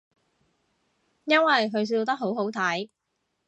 因為佢笑得好好睇